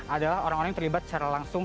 adalah orang orang yang terlibat secara langsung